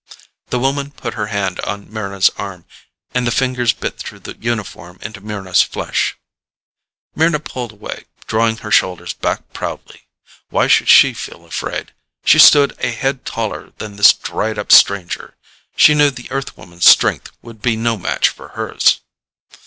The woman put her hand on Mryna's arm, and the fingers bit through the uniform into Mryna's flesh. Mryna pulled away, drawing her shoulders back proudly. Why should she feel afraid? She stood a head taller than this dried up stranger; she knew the Earthwoman's strength would be no match for hers.